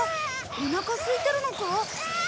おなかすいてるのか？